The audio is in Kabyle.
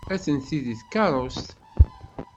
Atenti deg tkeṛṛust.